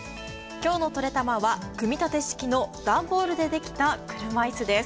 今日のトレたまは、組み立て式の段ボールで出来た車椅子です。